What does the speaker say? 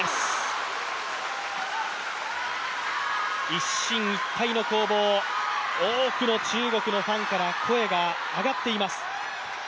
一進一退の攻防、多くの中国のファンから声が上がっています。